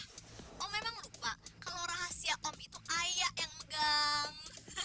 oh memang lupa kalau rahasia om itu ayah yang megang